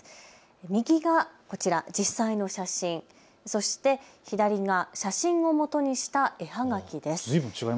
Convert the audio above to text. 右がこちら、実際の写真、そして左が写真をもとにした絵はがきです。